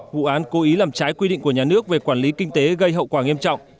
vụ án cố ý làm trái quy định của nhà nước về quản lý kinh tế gây hậu quả nghiêm trọng